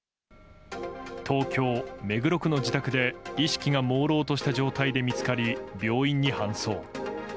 東京・目黒区の自宅で意識がもうろうとした状態で見つかり、病院に搬送。